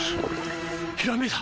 ひらめいた！